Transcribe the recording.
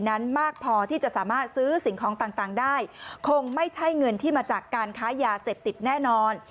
นั้นมากพอที่จะสามารถซื้อสิ่งของต่างได้คงไม่ใช่เงินที่มาจากการค้ายาเสพติดแน่นอน